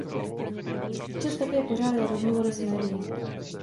Občas také pořádal rozhovory s médii.